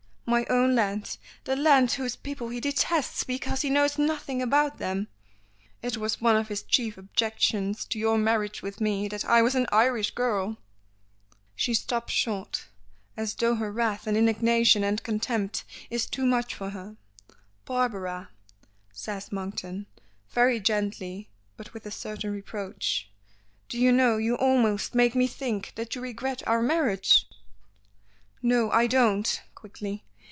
My own land; the land whose people he detests because he knows nothing about them. It was one of his chief objections to your marriage with me, that I was an Irish girl!" She stops short, as though her wrath and indignation and contempt is too much for her. "Barbara," says Monkton, very gently, but with a certain reproach, "do you know you almost make me think that you regret our marriage." "No, I don't," quickly.